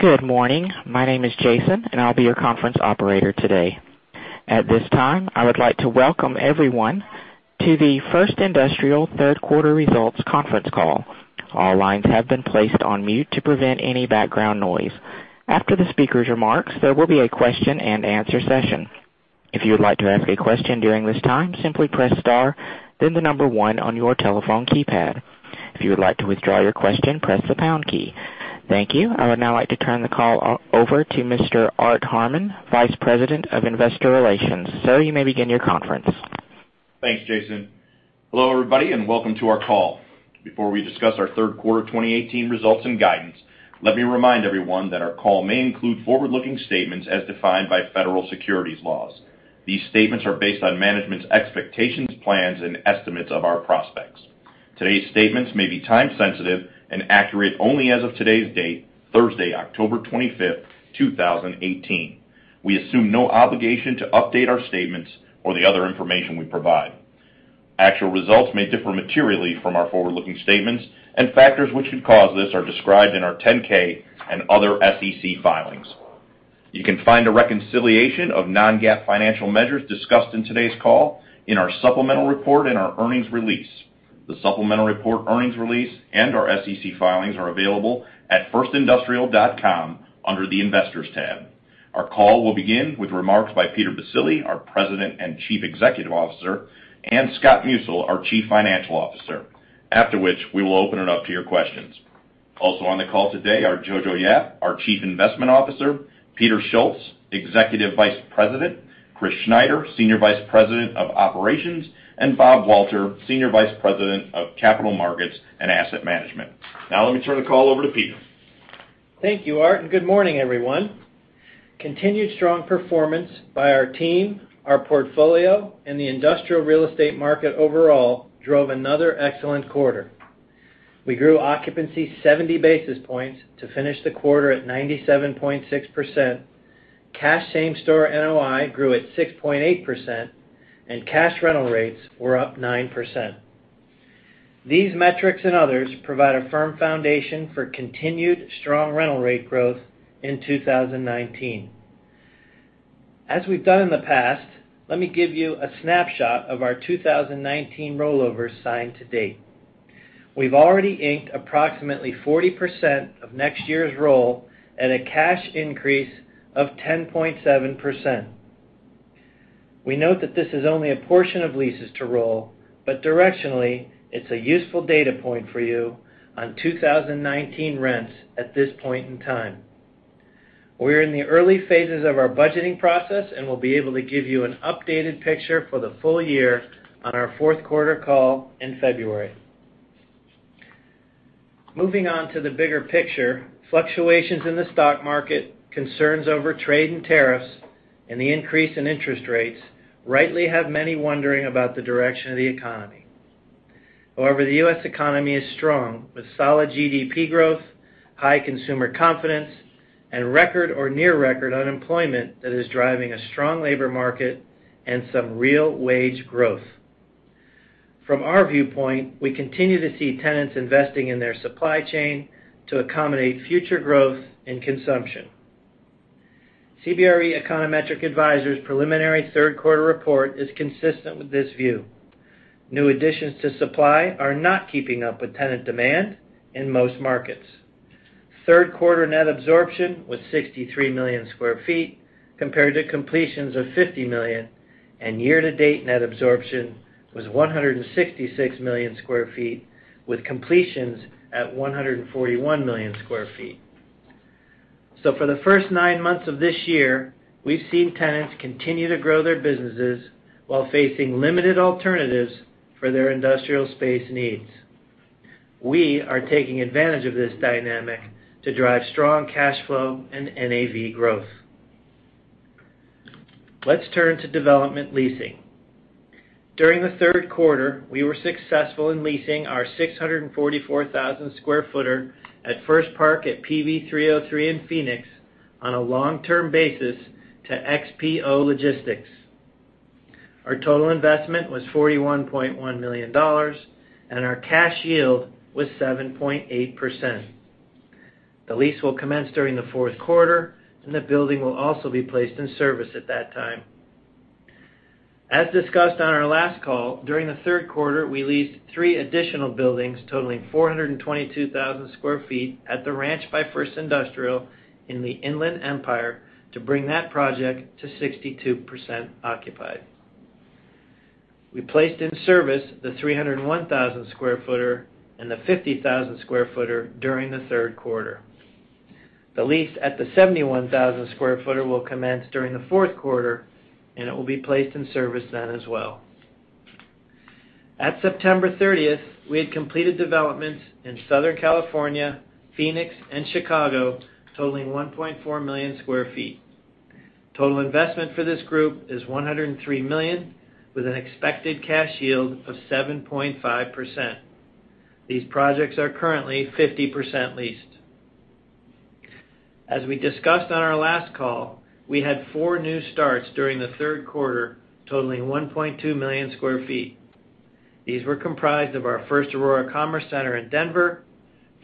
Good morning. My name is Jason, and I'll be your conference operator today. At this time, I would like to welcome everyone to the First Industrial third quarter results conference call. All lines have been placed on mute to prevent any background noise. After the speaker's remarks, there will be a question and answer session. If you would like to ask a question during this time, simply press star, then the number one on your telephone keypad. If you would like to withdraw your question, press the pound key. Thank you. I would now like to turn the call over to Mr. Art Harmon, Vice President of Investor Relations. Sir, you may begin your conference. Thanks, Jason. Hello, everybody, and welcome to our call. Before we discuss our third quarter 2018 results and guidance, let me remind everyone that our call may include forward-looking statements as defined by federal securities laws. These statements are based on management's expectations, plans, and estimates of our prospects. Today's statements may be time-sensitive and accurate only as of today's date, Thursday, October 25th, 2018. We assume no obligation to update our statements or the other information we provide. Actual results may differ materially from our forward-looking statements, and factors which could cause this are described in our 10-K and other SEC filings. You can find a reconciliation of non-GAAP financial measures discussed in today's call in our supplemental report and our earnings release. The supplemental report, earnings release, and our SEC filings are available at firstindustrial.com under the Investors tab. Our call will begin with remarks by Peter Baccile, our President and Chief Executive Officer, and Scott Musil, our Chief Financial Officer, after which we will open it up to your questions. Also on the call today are Johannson Yap, our Chief Investment Officer, Peter Schultz, Executive Vice President, Christopher Schneider, Senior Vice President of Operations, and Robert Walter, Senior Vice President of Capital Markets and Asset Management. Now let me turn the call over to Peter. Thank you, Art, and good morning, everyone. Continued strong performance by our team, our portfolio, and the industrial real estate market overall drove another excellent quarter. We grew occupancy 70 basis points to finish the quarter at 97.6%, cash Same-Store NOI grew at 6.8%, and cash rental rates were up 9%. These metrics and others provide a firm foundation for continued strong rental rate growth in 2019. As we've done in the past, let me give you a snapshot of our 2019 rollovers signed to date. We've already inked approximately 40% of next year's roll at a cash increase of 10.7%. We note that this is only a portion of leases to roll, but directionally, it's a useful data point for you on 2019 rents at this point in time. We're in the early phases of our budgeting process, and we'll be able to give you an updated picture for the full year on our fourth quarter call in February. Moving on to the bigger picture, fluctuations in the stock market, concerns over trade and tariffs, and the increase in interest rates rightly have many wondering about the direction of the economy. However, the U.S. economy is strong, with solid GDP growth, high consumer confidence, and record or near-record unemployment that is driving a strong labor market and some real wage growth. From our viewpoint, we continue to see tenants investing in their supply chain to accommodate future growth and consumption. CBRE Econometric Advisors' preliminary third quarter report is consistent with this view. New additions to supply are not keeping up with tenant demand in most markets. Third quarter net absorption was 63 million sq ft compared to completions of 50 million, year-to-date net absorption was 166 million sq ft, with completions at 141 million sq ft. For the first nine months of this year, we've seen tenants continue to grow their businesses while facing limited alternatives for their industrial space needs. We are taking advantage of this dynamic to drive strong cash flow and NAV growth. Let's turn to development leasing. During the third quarter, we were successful in leasing our 644,000 square footer at First Park at PV303 in Phoenix on a long-term basis to XPO Logistics. Our total investment was $41.1 million, and our cash yield was 7.8%. The lease will commence during the fourth quarter, and the building will also be placed in service at that time. As discussed on our last call, during the third quarter, we leased three additional buildings totaling 422,000 sq ft at The Ranch by First Industrial in the Inland Empire to bring that project to 62% occupied. We placed in service the 301,000 square footer and the 50,000 square footer during the third quarter. The lease at the 71,000 square footer will commence during the fourth quarter, and it will be placed in service then as well. At September 30th, we had completed developments in Southern California, Phoenix, and Chicago totaling 1.4 million sq ft. Total investment for this group is $103 million, with an expected cash yield of 7.5%. These projects are currently 50% leased. As we discussed on our last call, we had four new starts during the third quarter, totaling 1.2 million sq ft. These were comprised of our First Aurora Commerce Center in Denver,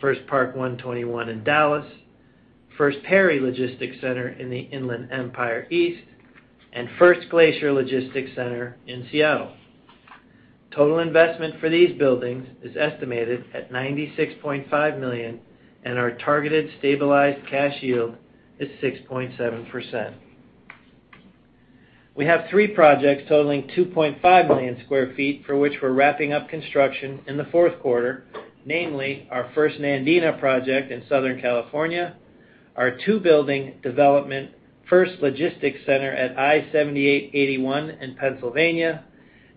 First Park 121 in Dallas, First Perry Logistics Center in the Inland Empire East, and First Glacier Logistics Center in Seattle. Total investment for these buildings is estimated at $96.5 million, and our targeted stabilized cash yield is 6.7%. We have three projects totaling 2.5 million sq ft, for which we're wrapping up construction in the fourth quarter, namely our First Nandina project in Southern California, our two-building development First Logistics Center at I-78/81 in Pennsylvania,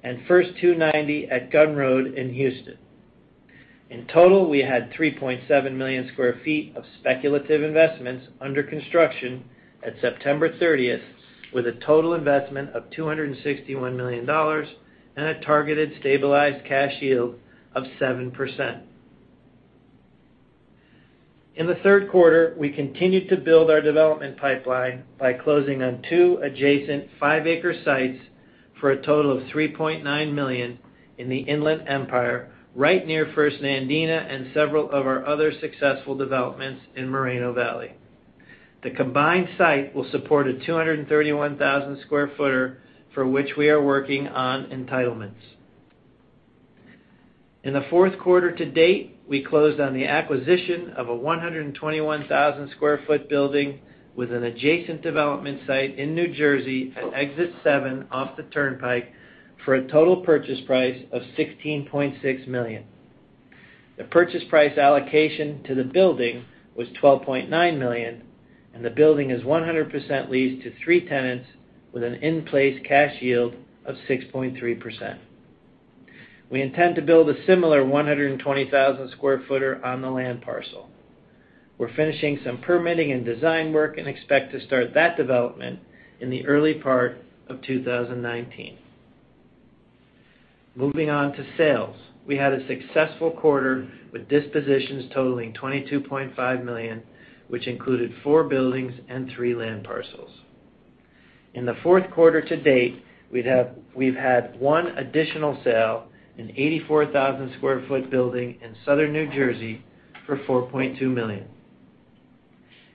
and First 290 at Gunn Road in Houston. In total, we had 3.7 million sq ft of speculative investments under construction at September 30th, with a total investment of $261 million and a targeted stabilized cash yield of 7%. In the third quarter, we continued to build our development pipeline by closing on two adjacent five-acre sites for a total of $3.9 million in the Inland Empire, right near First Nandina and several of our other successful developments in Moreno Valley. The combined site will support a 231,000 square footer, for which we are working on entitlements. In the fourth quarter to date, we closed on the acquisition of a 121,000 square foot building with an adjacent development site in New Jersey at Exit 7 off the turnpike for a total purchase price of $16.6 million. The purchase price allocation to the building was $12.9 million, and the building is 100% leased to three tenants with an in-place cash yield of 6.3%. We intend to build a similar 120,000 square footer on the land parcel. We're finishing some permitting and design work. We expect to start that development in the early part of 2019. Moving on to sales. We had a successful quarter with dispositions totaling $22.5 million, which included four buildings and three land parcels. In the fourth quarter to date, we've had one additional sale, an 84,000 square foot building in Southern New Jersey for $4.2 million.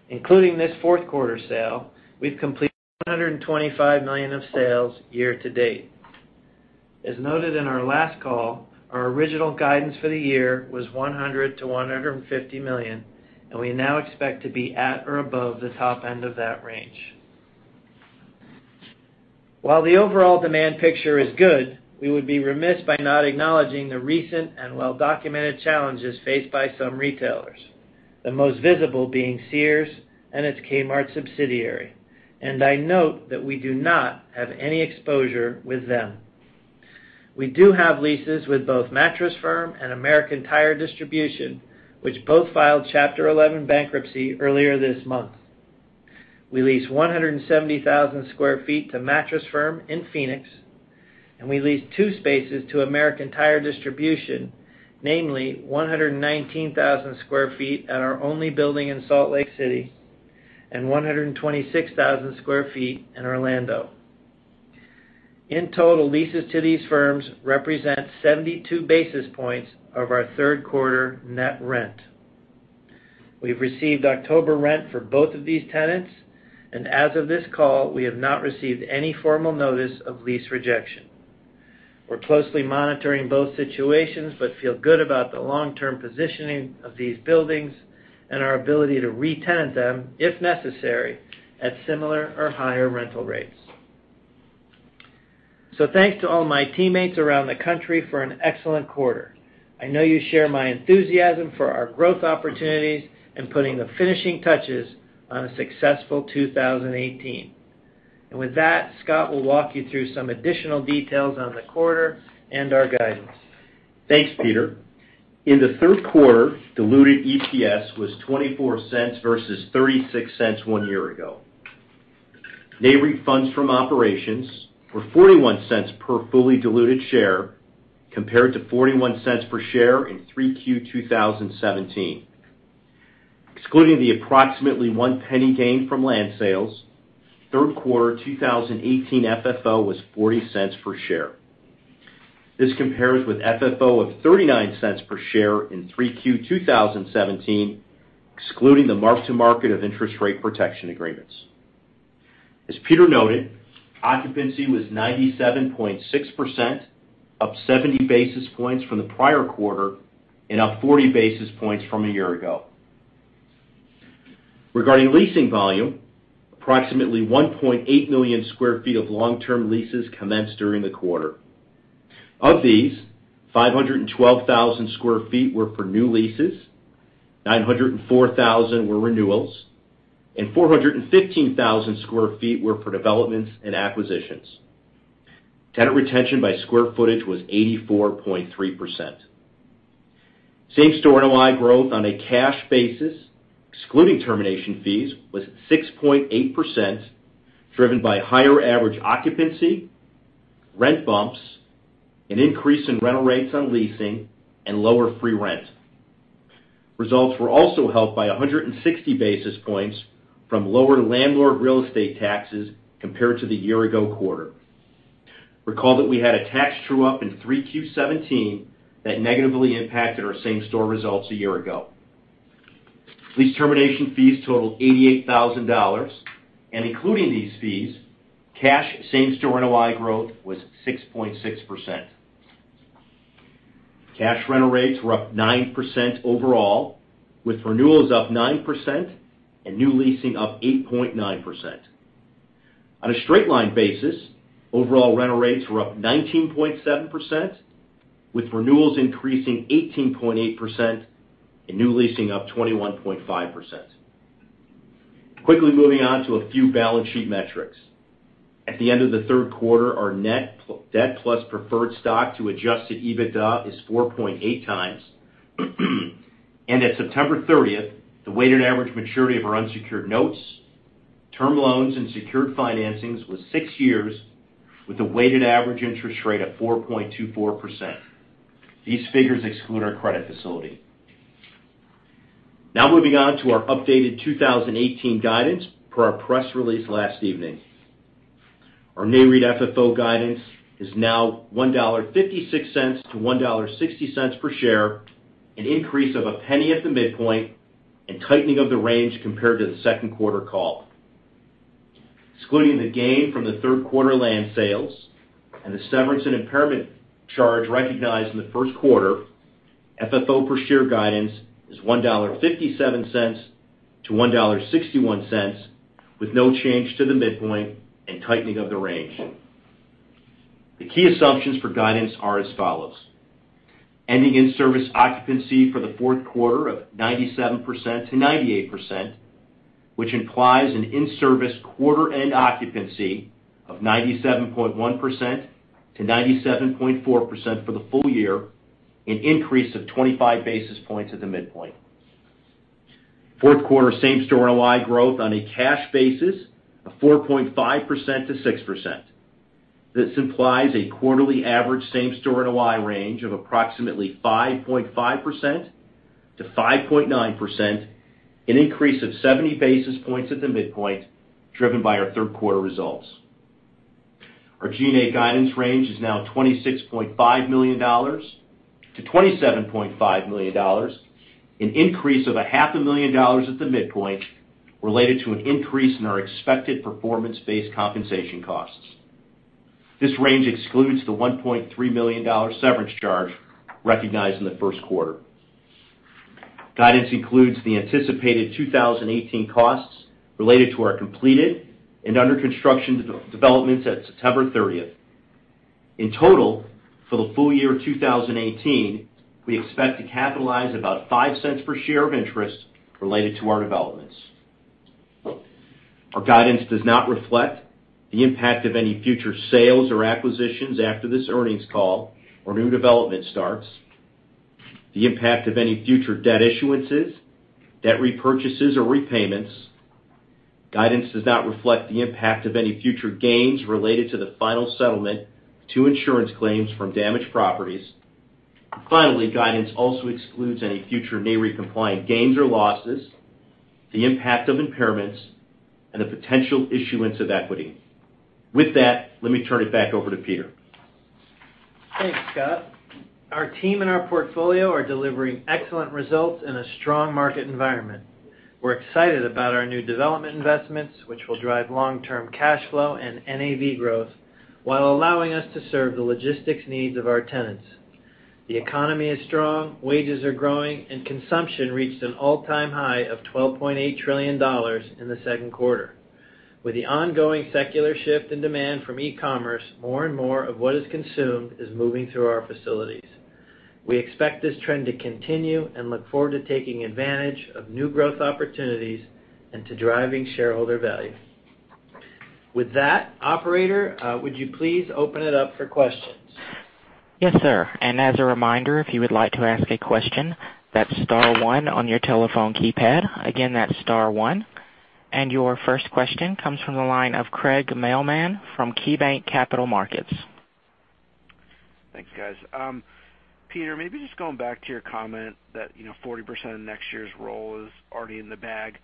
Including this fourth quarter sale, we've completed $125 million of sales year to date. As noted in our last call, our original guidance for the year was $100 million to $150 million, and we now expect to be at or above the top end of that range. While the overall demand picture is good, we would be remiss by not acknowledging the recent and well-documented challenges faced by some retailers, the most visible being Sears and its Kmart subsidiary. I note that we do not have any exposure with them. We do have leases with both Mattress Firm and American Tire Distributors, which both filed Chapter 11 bankruptcy earlier this month. We lease 170,000 square feet to Mattress Firm in Phoenix, and we lease two spaces to American Tire Distributors, namely 119,000 square feet at our only building in Salt Lake City, and 126,000 square feet in Orlando. In total, leases to these firms represent 72 basis points of our third quarter net rent. We've received October rent for both of these tenants, and as of this call, we have not received any formal notice of lease rejection. We're closely monitoring both situations but feel good about the long-term positioning of these buildings and our ability to re-tenant them, if necessary, at similar or higher rental rates. Thanks to all my teammates around the country for an excellent quarter. I know you share my enthusiasm for our growth opportunities and putting the finishing touches on a successful 2018. With that, Scott will walk you through some additional details on the quarter and our guidance. Thanks, Peter. In the third quarter, diluted EPS was $0.24 versus $0.36 one year ago. NAREIT funds from operations were $0.41 per fully diluted share, compared to $0.41 per share in 3Q 2017. Excluding the approximately $0.01 gain from land sales, third quarter 2018 FFO was $0.40 per share. This compares with FFO of $0.39 per share in 3Q 2017, excluding the mark to market of interest rate protection agreements. As Peter noted, occupancy was 97.6%, up 70 basis points from the prior quarter and up 40 basis points from a year ago. Regarding leasing volume, approximately 1.8 million sq ft of long-term leases commenced during the quarter. Of these, 512,000 sq ft were for new leases, 904,000 were renewals, and 415,000 sq ft were for developments and acquisitions. Tenant retention by square footage was 84.3%. Same-store NOI growth on a cash basis, excluding termination fees, was 6.8%, driven by higher average occupancyrent bumps, an increase in rental rates on leasing, and lower free rent. Results were also helped by 160 basis points from lower landlord real estate taxes compared to the year-ago quarter. Recall that we had a tax true-up in 3Q 2017 that negatively impacted our same-store results a year ago. Lease termination fees totaled $88,000, and including these fees, cash same-store NOI growth was 6.6%. Cash rental rates were up 9% overall, with renewals up 9% and new leasing up 8.9%. On a straight-line basis, overall rental rates were up 19.7%, with renewals increasing 18.8% and new leasing up 21.5%. Quickly moving on to a few balance sheet metrics. At the end of the third quarter, our net debt plus preferred stock to adjusted EBITDA is 4.8 times. At September 30th, the weighted average maturity of our unsecured notes, term loans, and secured financings was six years, with a weighted average interest rate of 4.24%. These figures exclude our credit facility. Moving on to our updated 2018 guidance per our press release last evening. Our NAREIT FFO guidance is now $1.56-$1.60 per share, an increase of $0.01 at the midpoint and tightening of the range compared to the second quarter call. Excluding the gain from the third-quarter land sales and the severance and impairment charge recognized in the first quarter, FFO per share guidance is $1.57-$1.61, with no change to the midpoint and tightening of the range. The key assumptions for guidance are as follows. Ending in-service occupancy for the fourth quarter of 97%-98%, which implies an in-service quarter-end occupancy of 97.1%-97.4% for the full year, an increase of 25 basis points at the midpoint. Fourth quarter Same-Store NOI growth on a cash basis of 4.5%-6%. This implies a quarterly average Same-Store NOI range of approximately 5.5%-5.9%, an increase of 70 basis points at the midpoint, driven by our third-quarter results. Our G&A guidance range is now $26.5 million-$27.5 million, an increase of a half a million dollars at the midpoint related to an increase in our expected performance-based compensation costs. This range excludes the $1.3 million severance charge recognized in the first quarter. Guidance includes the anticipated 2018 costs related to our completed and under-construction developments at September 30th. In total, for the full year 2018, we expect to capitalize about $0.05 per share of interest related to our developments. Our guidance does not reflect the impact of any future sales or acquisitions after this earnings call or new development starts, the impact of any future debt issuances, debt repurchases, or repayments. Guidance does not reflect the impact of any future gains related to the final settlement of two insurance claims from damaged properties. Finally, guidance also excludes any future NAREIT-compliant gains or losses, the impact of impairments, and the potential issuance of equity. With that, let me turn it back over to Peter. Thanks, Scott. Our team and our portfolio are delivering excellent results in a strong market environment. We're excited about our new development investments, which will drive long-term cash flow and NAV growth while allowing us to serve the logistics needs of our tenants. The economy is strong, wages are growing, and consumption reached an all-time high of $12.8 trillion in the second quarter. With the ongoing secular shift in demand from e-commerce, more and more of what is consumed is moving through our facilities. We expect this trend to continue and look forward to taking advantage of new growth opportunities and to driving shareholder value. With that, operator, would you please open it up for questions? Yes, sir. As a reminder, if you would like to ask a question, that's star one on your telephone keypad. Again, that's star one. Your first question comes from the line of Craig Mailman from KeyBanc Capital Markets. Thanks, guys. Peter, maybe just going back to your comment that 40% of next year's roll is already in the bag.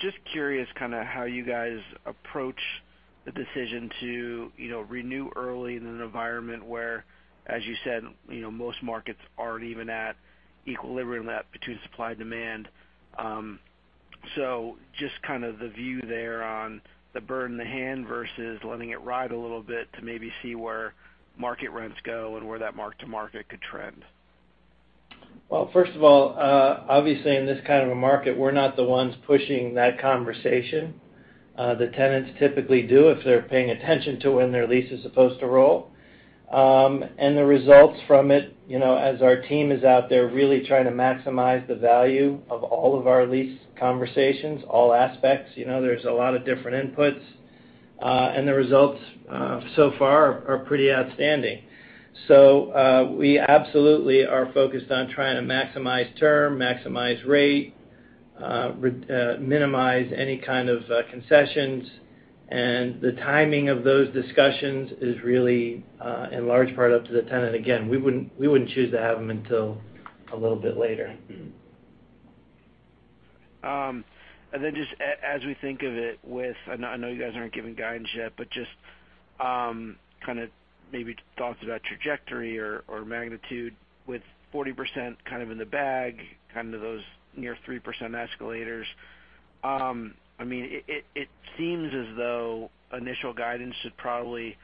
Just curious kind of how you guys approach the decision to renew early in an environment where, as you said, most markets aren't even at equilibrium yet between supply and demand. Just kind of the view there on the bird in the hand versus letting it ride a little bit to maybe see where market rents go and where that mark-to-market could trend. First of all, obviously, in this kind of a market, we're not the ones pushing that conversation. The tenants typically do if they're paying attention to when their lease is supposed to roll. The results from it, as our team is out there really trying to maximize the value of all of our lease conversations, all aspects, there's a lot of different inputs. The results so far are pretty outstanding. We absolutely are focused on trying to maximize term, maximize rate, minimize any kind of concessions, and the timing of those discussions is really in large part up to the tenant. We wouldn't choose to have them until a little bit later. Just as we think of it with, I know you guys aren't giving guidance yet, but just kind of maybe thoughts about trajectory or magnitude with 40% kind of in the bag, kind of those near 3% escalators. It seems as though initial guidance should probably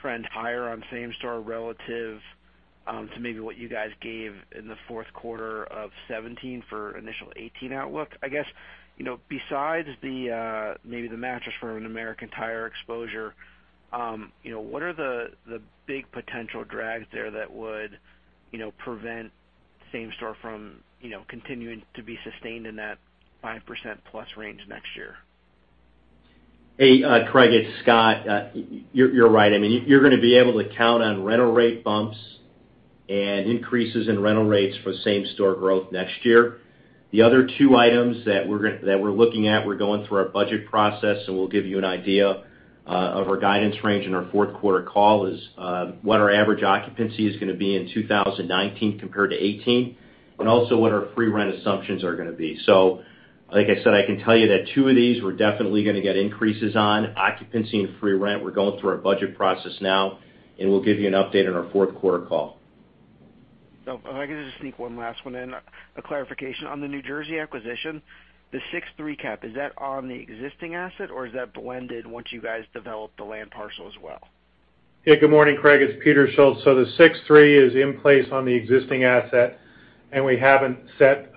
trend higher on Same-Store relative to maybe what you guys gave in the fourth quarter of 2017 for initial 2018 outlook. Besides maybe the Mattress Firm and American Tire exposure, what are the big potential drags there that would prevent Same-Store from continuing to be sustained in that 5% plus range next year? Hey, Craig, it's Scott. You're right. You're going to be able to count on rental rate bumps and increases in rental rates for Same-Store growth next year. The other two items that we're looking at, we're going through our budget process, and we'll give you an idea of our guidance range in our fourth quarter call is what our average occupancy is going to be in 2019 compared to 2018, but also what our free rent assumptions are going to be. Like I said, I can tell you that two of these we're definitely going to get increases on. Occupancy and free rent, we're going through our budget process now, and we'll give you an update on our fourth quarter call. If I could just sneak one last one in, a clarification on the New Jersey acquisition. The 6.3 CAP, is that on the existing asset, or is that blended once you guys develop the land parcel as well? Hey, good morning, Craig. It's Peter Schultz. The 6-3 is in place on the existing asset, and we haven't set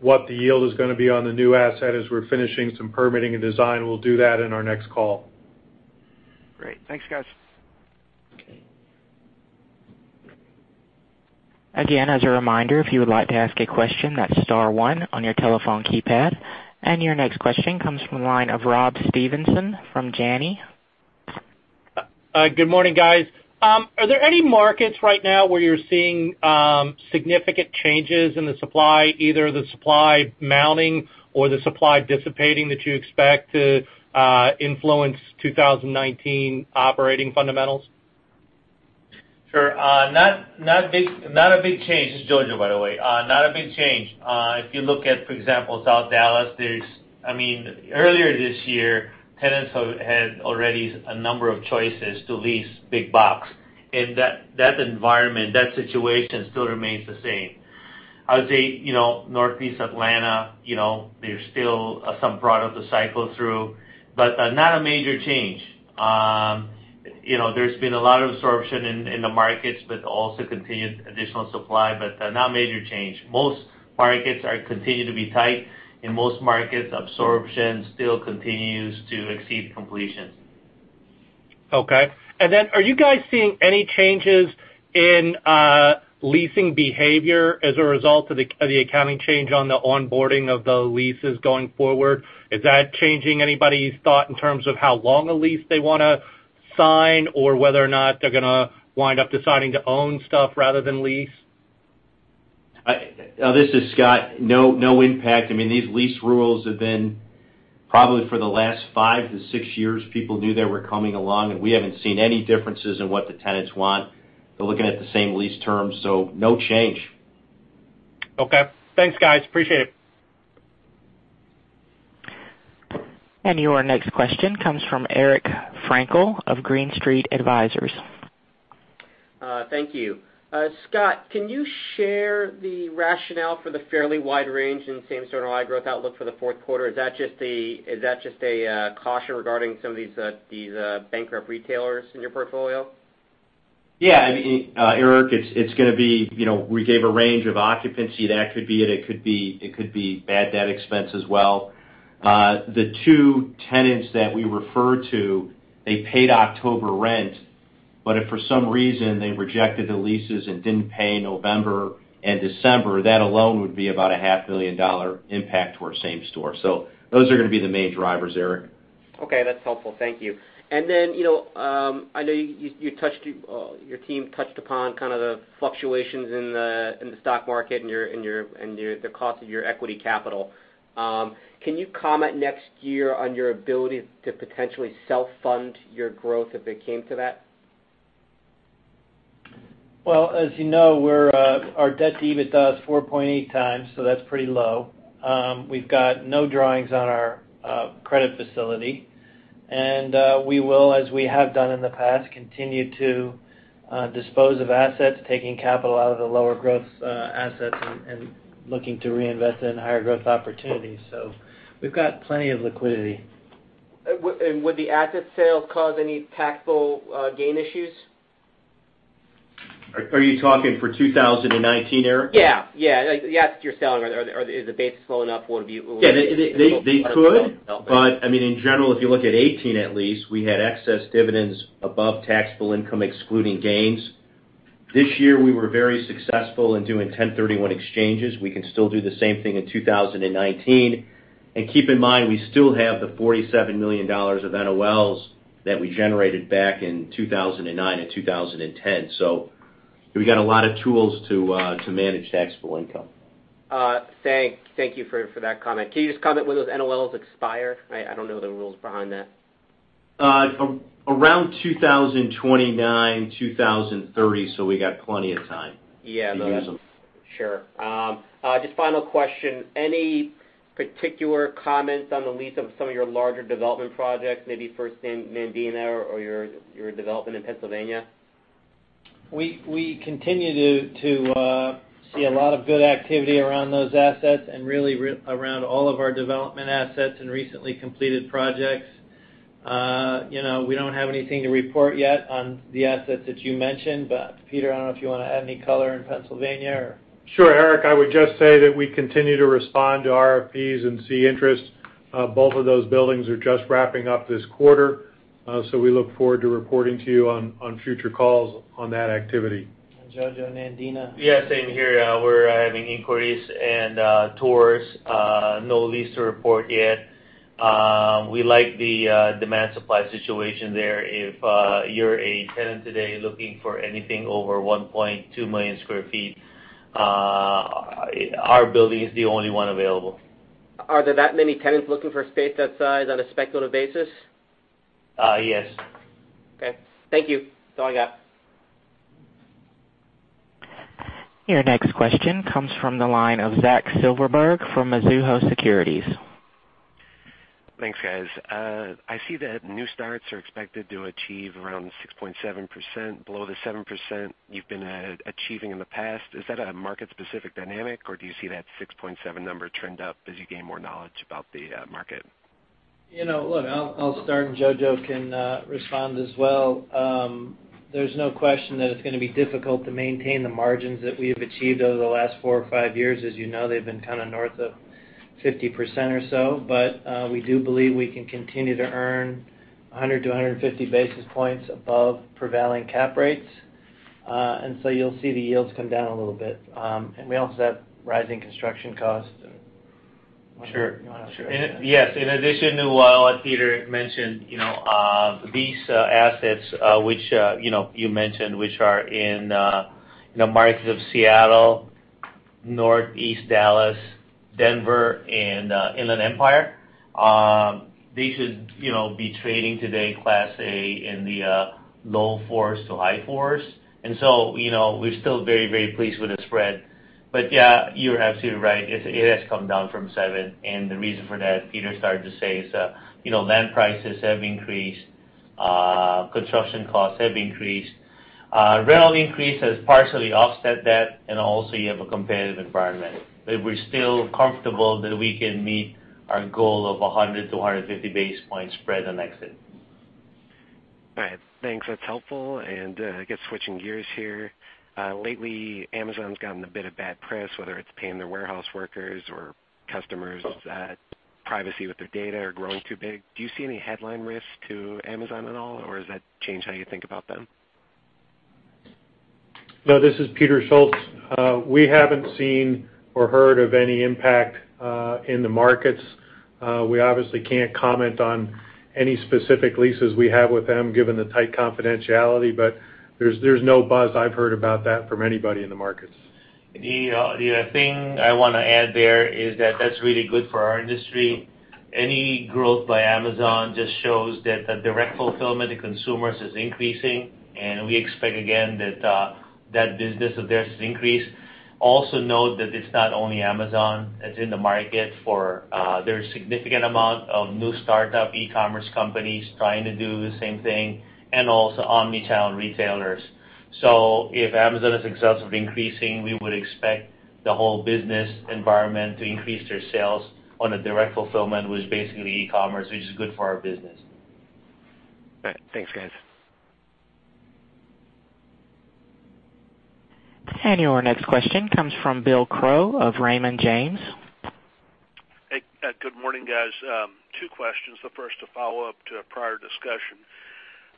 what the yield is going to be on the new asset as we're finishing some permitting and design. We'll do that in our next call. Great. Thanks, guys. Again, as a reminder, if you would like to ask a question, that's star one on your telephone keypad. Your next question comes from the line of Rob Stevenson from Janney. Good morning, guys. Are there any markets right now where you're seeing significant changes in the supply, either the supply mounting or the supply dissipating that you expect to influence 2019 operating fundamentals? Sure. Not a big change. It's Jojo, by the way. Not a big change. If you look at, for example, South Dallas, earlier this year, tenants had already a number of choices to lease big box. That environment, that situation still remains the same. I would say, Northeast Atlanta, there's still some product to cycle through, not a major change. There's been a lot of absorption in the markets, also continued additional supply, not major change. Most markets are continuing to be tight. In most markets, absorption still continues to exceed completions. Okay. Are you guys seeing any changes in leasing behavior as a result of the accounting change on the onboarding of the leases going forward? Is that changing anybody's thought in terms of how long a lease they want to sign, or whether or not they're going to wind up deciding to own stuff rather than lease? This is Scott. No impact. These lease rules have been probably for the last five to six years. People knew they were coming along, we haven't seen any differences in what the tenants want. They're looking at the same lease terms, no change. Okay. Thanks, guys. Appreciate it. Your next question comes from Eric Frankel of Green Street Advisors. Thank you. Scott, can you share the rationale for the fairly wide range in Same-Store NOI growth outlook for the fourth quarter? Is that just a caution regarding some of these bankrupt retailers in your portfolio? Yeah. Eric, we gave a range of occupancy. That could be it. It could be bad debt expense as well. The two tenants that we referred to, they paid October rent. If for some reason they rejected the leases and didn't pay November and December, that alone would be about a half-million-dollar impact to our Same-Store. Those are going to be the main drivers, Eric. Okay, that's helpful. Thank you. Then, I know your team touched upon kind of the fluctuations in the stock market and the cost of your equity capital. Can you comment next year on your ability to potentially self-fund your growth if it came to that? Well, as you know, our debt to EBITDA is 4.8 times, that's pretty low. We've got no drawings on our credit facility. We will, as we have done in the past, continue to dispose of assets, taking capital out of the lower growth assets and looking to reinvest it in higher growth opportunities. We've got plenty of liquidity. Would the asset sales cause any taxable gain issues? Are you talking for 2019, Eric? Yeah. The assets you're selling, is the base low enough where it would be- Yeah, they could. In general, if you look at 2018, at least, we had excess dividends above taxable income, excluding gains. This year, we were very successful in doing 1031 exchanges. We can still do the same thing in 2019. Keep in mind, we still have the $47 million of NOLs that we generated back in 2009 and 2010. We got a lot of tools to manage taxable income. Thank you for that comment. Can you just comment when those NOLs expire? I don't know the rules behind that. Around 2029, 2030, we got plenty of time- Yeah to use them. Sure. Just final question. Any particular comments on the lease of some of your larger development projects, maybe First Nandina or your development in Pennsylvania? We continue to see a lot of good activity around those assets and really around all of our development assets and recently completed projects. We don't have anything to report yet on the assets that you mentioned, but Peter, I don't know if you want to add any color in Pennsylvania or Sure, Eric. I would just say that we continue to respond to RFPs and see interest. Both of those buildings are just wrapping up this quarter. We look forward to reporting to you on future calls on that activity. Jojo, Nandina. Same here. We're having inquiries and tours. No lease to report yet. We like the demand-supply situation there. If you're a tenant today looking for anything over 1.2 million square feet, our building is the only one available. Are there that many tenants looking for space that size on a speculative basis? Yes. Thank you. That's all I got. Your next question comes from the line of Zachary Silverberg from Mizuho Securities. Thanks, guys. I see that new starts are expected to achieve around 6.7%, below the 7% you've been achieving in the past. Is that a market-specific dynamic, or do you see that 6.7 number trend up as you gain more knowledge about the market? Look, I'll start, and Jojo can respond as well. There's no question that it's going to be difficult to maintain the margins that we have achieved over the last four or five years. As you know, they've been kind of north of 50% or so. We do believe we can continue to earn 100 to 150 basis points above prevailing capitalization rates. You'll see the yields come down a little bit. We also have rising construction costs. Sure. You want to share? Yes. In addition to what Peter mentioned, these assets which you mentioned, which are in the markets of Seattle, Northeast Dallas, Denver, and Inland Empire. They should be trading today Class A in the low fours to high fours. We're still very pleased with the spread. Yeah, you're absolutely right. It has come down from seven, and the reason for that, Peter started to say is, land prices have increased, construction costs have increased. Rental increase has partially offset that, and also you have a competitive environment. We're still comfortable that we can meet our goal of 100 to 150 basis point spread on exit. All right. Thanks. That's helpful. I guess switching gears here. Lately, Amazon's gotten a bit of bad press, whether it's paying their warehouse workers or customers' privacy with their data or growing too big. Do you see any headline risk to Amazon at all, or does that change how you think about them? No, this is Peter Schultz. We haven't seen or heard of any impact in the markets. We obviously can't comment on any specific leases we have with them given the tight confidentiality, but there's no buzz I've heard about that from anybody in the markets. The thing I want to add there is that that's really good for our industry. Any growth by Amazon just shows that the direct fulfillment to consumers is increasing. We expect again that that business of theirs is increased. Also note that it's not only Amazon that's in the market. There's significant amount of new startup e-commerce companies trying to do the same thing. Also omnichannel retailers. If Amazon is successfully increasing, we would expect the whole business environment to increase their sales on a direct fulfillment, which is basically e-commerce, which is good for our business. Right. Thanks, guys. Your next question comes from William Crow of Raymond James. Hey. Good morning, guys. Two questions. The first, a follow-up to a prior discussion.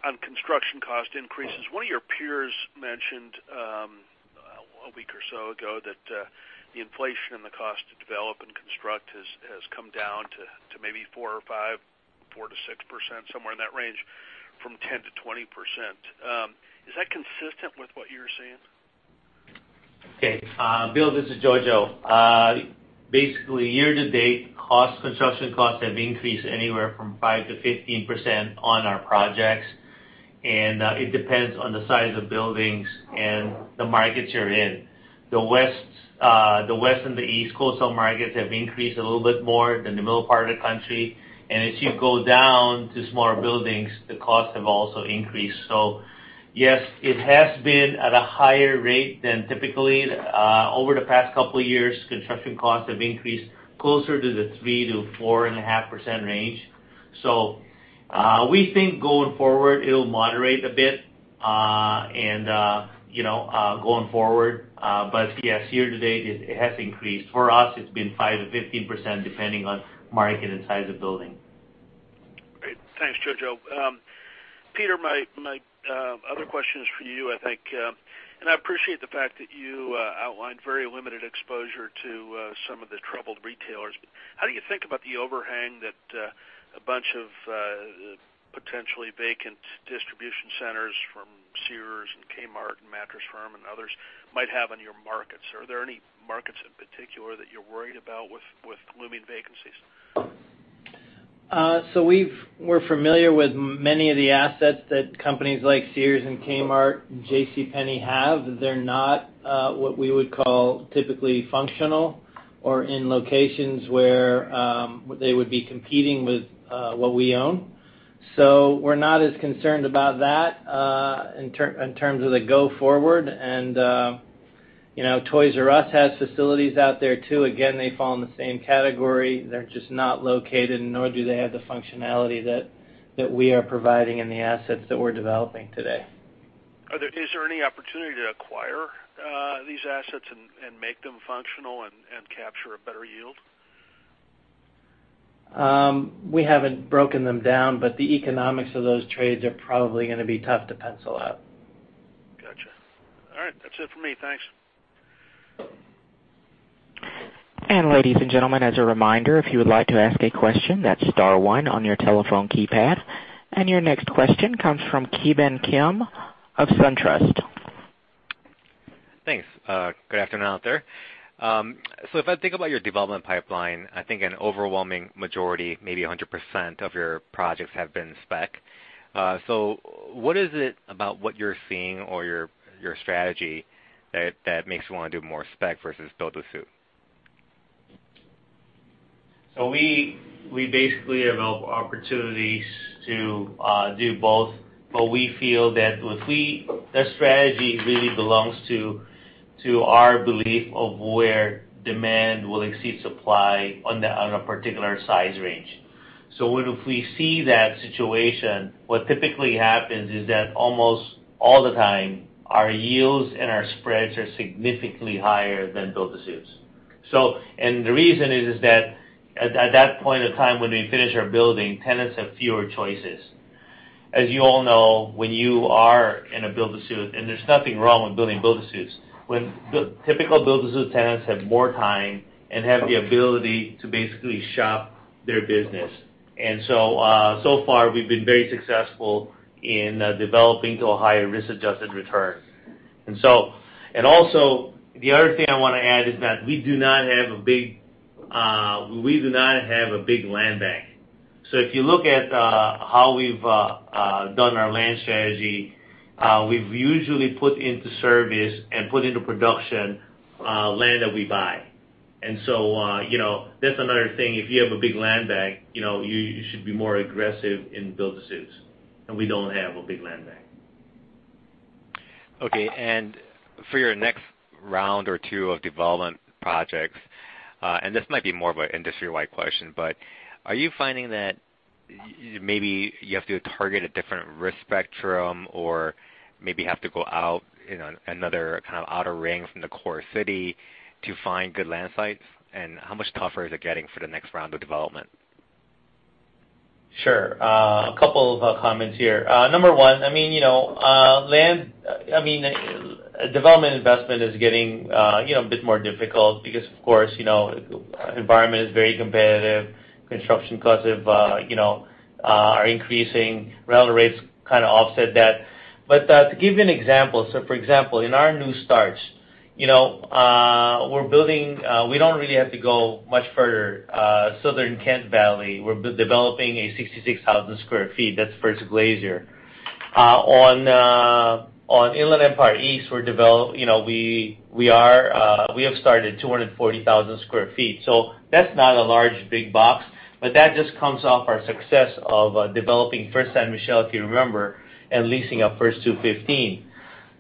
On construction cost increases, one of your peers mentioned, a week or so ago that the inflation and the cost to develop and construct has come down to maybe 4 or 5, 4%-6%, somewhere in that range, from 10%-20%. Is that consistent with what you're seeing? Okay. Bill, this is Jojo. Basically, year to date, construction costs have increased anywhere from 5%-15% on our projects, and it depends on the size of buildings and the markets you're in. The West and the East Coast markets have increased a little bit more than the middle part of the country. As you go down to smaller buildings, the costs have also increased. Yes, it has been at a higher rate than typically. Over the past couple of years, construction costs have increased closer to the 3%-4.5% range. We think going forward, it'll moderate a bit and going forward. Yes, year to date, it has increased. For us, it's been 5%-15%, depending on market and size of building. Thanks, Jojo. Peter, my other question is for you, I think. I appreciate the fact that you outlined very limited exposure to some of the troubled retailers. How do you think about the overhang that a bunch of potentially vacant distribution centers from Sears and Kmart and Mattress Firm and others might have on your markets? Are there any markets in particular that you're worried about with looming vacancies? We're familiar with many of the assets that companies like Sears and Kmart and JCPenney have. They're not what we would call typically functional or in locations where they would be competing with what we own. We're not as concerned about that in terms of the go forward. Toys "R" Us has facilities out there, too. Again, they fall in the same category. They're just not located, nor do they have the functionality that we are providing in the assets that we're developing today. Is there any opportunity to acquire these assets and make them functional and capture a better yield? We haven't broken them down, the economics of those trades are probably going to be tough to pencil out. Got you. All right. That's it for me. Thanks. Ladies and gentlemen, as a reminder, if you would like to ask a question, that's star one on your telephone keypad. Your next question comes from Ki Bin Kim of SunTrust. Thanks. Good afternoon out there. If I think about your development pipeline, I think an overwhelming majority, maybe 100% of your projects have been spec. What is it about what you're seeing or your strategy that makes you want to do more spec versus build-to-suit? We basically develop opportunities to do both. We feel that the strategy really belongs to our belief of where demand will exceed supply on a particular size range. If we see that situation, what typically happens is that almost all the time, our yields and our spreads are significantly higher than build-to-suits. The reason is that at that point of time when we finish our building, tenants have fewer choices. As you all know, when you are in a build-to-suit, there's nothing wrong with building build-to-suits. Typical build-to-suit tenants have more time and have the ability to basically shop their business. So far, we've been very successful in developing to a higher risk-adjusted return. Also, the other thing I want to add is that we do not have a big land bank. If you look at how we've done our land strategy, we've usually put into service and put into production land that we buy. That's another thing, if you have a big land bank, you should be more aggressive in build-to-suits, and we don't have a big land bank. Okay, for your next round or two of development projects, this might be more of an industry-wide question, are you finding that maybe you have to target a different risk spectrum or maybe have to go out another kind of outer ring from the core city to find good land sites? How much tougher is it getting for the next round of development? Sure. A couple of comments here. Number one, development investment is getting a bit more difficult because, of course, environment is very competitive. Construction costs are increasing. Rental rates kind of offset that. To give you an example, for example, in our new starts, we don't really have to go much further. South Kent Valley, we're developing a 66,000 sq ft. That's First Glacier. On Inland Empire East, we have started 240,000 sq ft. That's not a large, big box, but that just comes off our success of developing First San Michele, if you remember, and leasing up First 215.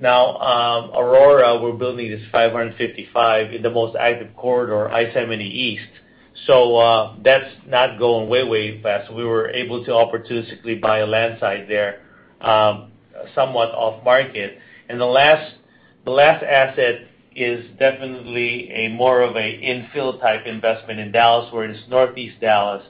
Aurora, we're building this 555 in the most active corridor, I-70 East. That's not going way fast. We were able to opportunistically buy a land site there, somewhat off-market. The last asset is definitely more of an infill-type investment in Dallas, where it's Northeast Dallas.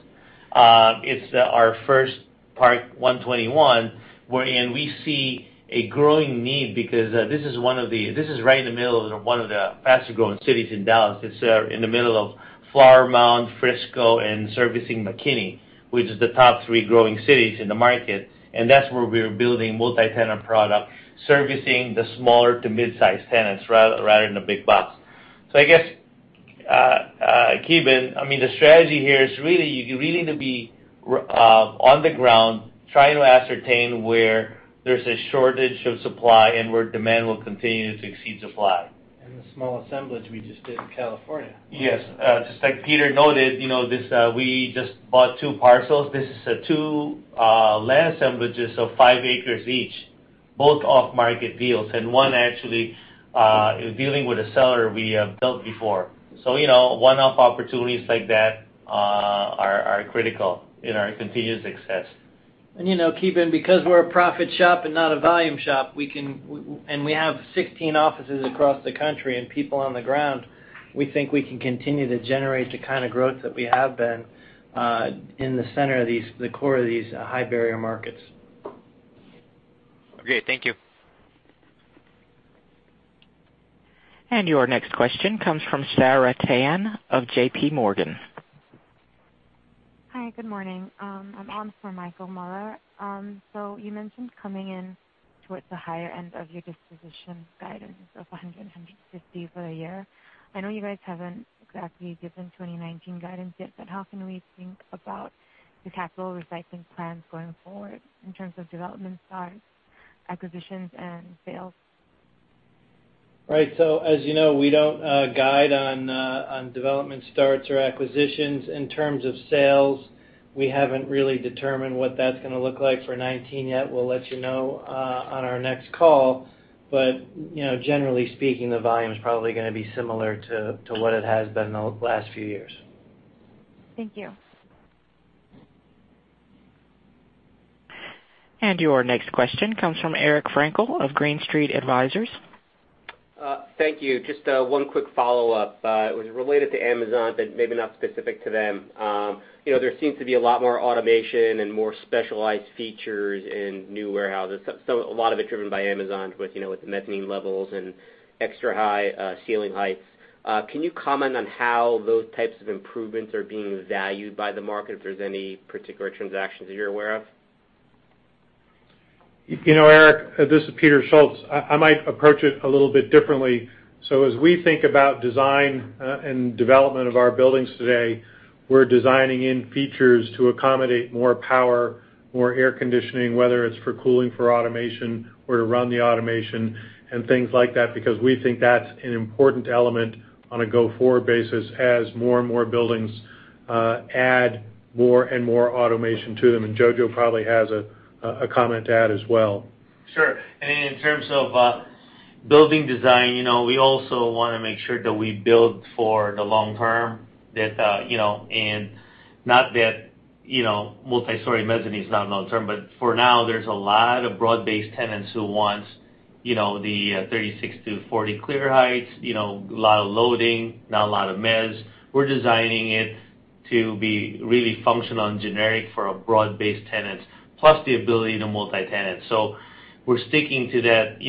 It's our First Park 121, wherein we see a growing need because this is right in the middle of one of the faster-growing cities in Dallas. It's in the middle of Flower Mound, Frisco, and servicing McKinney, which is the top three growing cities in the market, that's where we're building multi-tenant product, servicing the smaller- to mid-size tenants rather than the big box. I guess, Ki Bin, the strategy here is you really need to be on the ground trying to ascertain where there's a shortage of supply and where demand will continue to exceed supply. The small assemblage we just did in California. Yes. Just like Peter noted, we just bought two parcels. This is two land assemblages of five acres each, both off-market deals, and one actually dealing with a seller we have dealt before. One-off opportunities like that are critical in our continued success. Ki Bin, because we're a profit shop and not a volume shop, and we have 16 offices across the country and people on the ground, we think we can continue to generate the kind of growth that we have been in the center of the core of these high-barrier markets. Okay. Thank you. Your next question comes from Sarah Tan of JPMorgan. Hi, good morning. I'm on for Michael Mueller. You mentioned coming in towards the higher end of your disposition guidance of $100 million and $150 million for the year. I know you guys haven't exactly given 2019 guidance yet, how can we think about the capital recycling plans going forward in terms of development starts, acquisitions, and sales? Right. As you know, we don't guide on development starts or acquisitions. In terms of sales, we haven't really determined what that's going to look like for 2019 yet. We'll let you know on our next call. Generally speaking, the volume is probably going to be similar to what it has been the last few years. Thank you. Your next question comes from Eric Frankel of Green Street Advisors. Thank you. Just one quick follow-up. It was related to Amazon, maybe not specific to them. There seems to be a lot more automation and more specialized features in new warehouses, a lot of it driven by Amazon, with mezzanine levels and extra-high ceiling heights. Can you comment on how those types of improvements are being valued by the market, if there's any particular transactions that you're aware of? Eric, this is Peter Schultz. I might approach it a little bit differently. As we think about design and development of our buildings today, we're designing in features to accommodate more power, more air conditioning, whether it's for cooling for automation or to run the automation and things like that, because we think that's an important element on a go-forward basis as more and more buildings add more and more automation to them. Jojo probably has a comment to add as well. Sure. In terms of building design, we also want to make sure that we build for the long term. Not that multi-story mezzanine is not long-term, for now, there's a lot of broad-based tenants who want the 36 to 40 clear heights. A lot of loading, not a lot of mezz. We're designing it to be really functional and generic for a broad-based tenant, plus the ability to multi-tenant. We're sticking to that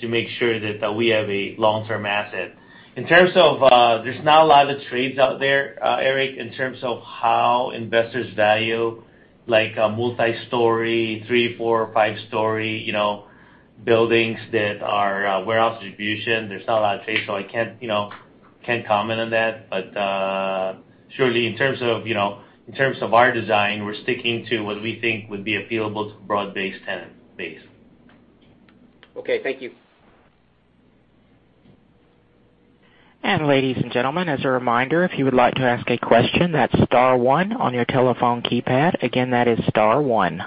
to make sure that we have a long-term asset. There's not a lot of trades out there, Eric, in terms of how investors value multi-story, three, four, five-story buildings that are warehouse distribution. There's not a lot of trade, I can't comment on that. Surely in terms of our design, we're sticking to what we think would be appealable to broad-based tenant base. Okay, thank you. ladies and gentlemen, as a reminder, if you would like to ask a question, that's star one on your telephone keypad. Again, that is star one.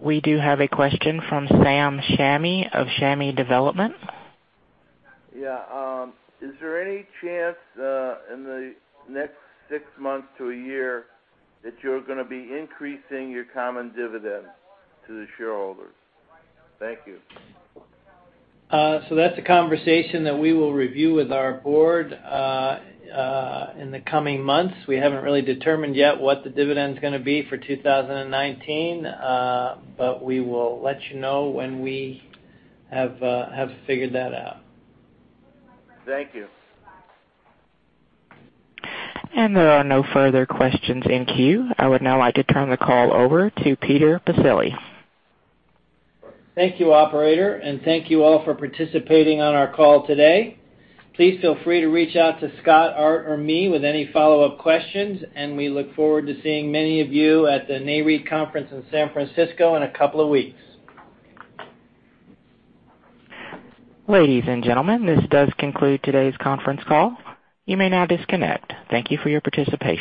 We do have a question from Sam Shamie of Shamie Development. Yeah. Is there any chance in the next six months to a year that you're going to be increasing your common dividend to the shareholders? Thank you. That's a conversation that we will review with our board in the coming months. We haven't really determined yet what the dividend is going to be for 2019. We will let you know when we have figured that out. Thank you. There are no further questions in queue. I would now like to turn the call over to Peter Baccile. Thank you, operator. Thank you all for participating on our call today. Please feel free to reach out to Scott, Art, or me with any follow-up questions, and we look forward to seeing many of you at the NAREIT conference in San Francisco in a couple of weeks. Ladies and gentlemen, this does conclude today's conference call. You may now disconnect. Thank you for your participation.